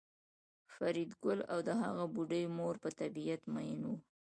فریدګل او د هغه بوډۍ مور په طبیعت میئن وو